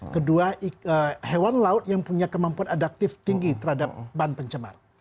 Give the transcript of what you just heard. kedua hewan laut yang punya kemampuan adaptif tinggi terhadap bahan pencemar